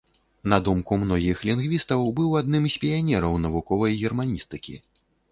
На думку многіх лінгвістаў, быў адным з піянераў навуковай германістыкі.